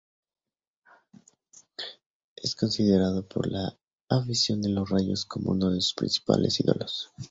Es considerado por la afición de ""Los Rayos"" como uno de sus principales ídolos.